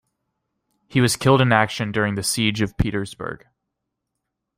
He was killed in action during the Siege of Petersburg.